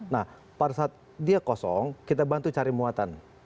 nah pada saat dia kosong kita bantu cari muatan